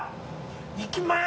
いきます！